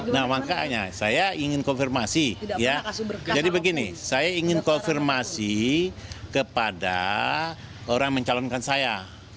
nah makanya saya ingin konfirmasi ya jadi begini saya ingin konfirmasi kepada orang mencalonkan saya